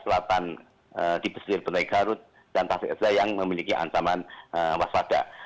sebelas selatan di besir benaikarut dan tasik esa yang memiliki ancaman waspada